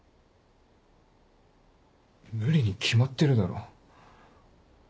無理に決まってるだろ。